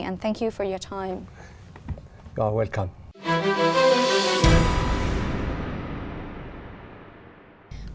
xin chào và hẹn gặp lại